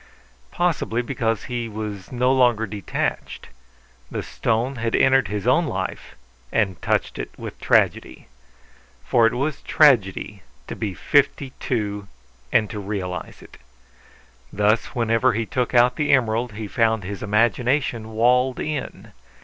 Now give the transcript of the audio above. Possibly because he was no longer detached; the stone had entered his own life and touched it with tragedy. For it was tragedy to be fifty two and to realize it. Thus whenever he took out the emerald he found his imagination walled in.